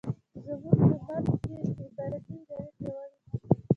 زموږ په ملک کې استخباراتي ادارې پیاوړې دي.